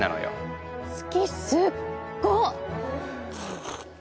月すっご！